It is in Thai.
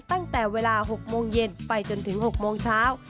ตั้งแต่เวลา๖โมงเย็นไปจนถึง๖โมงเช้า